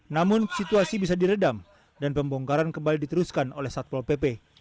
namun situasi bisa diredam dan pembongkaran kembali diteruskan oleh satpol pp